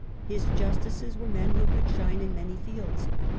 His justices were men who could shine in many fields.